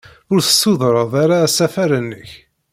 Ur tessudred ara asafar-nnek.